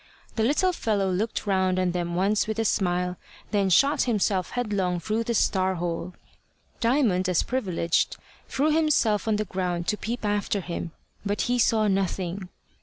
The little fellow looked round on them once with a smile, and then shot himself headlong through the star hole. Diamond, as privileged, threw himself on the ground to peep after him, but he saw nothing.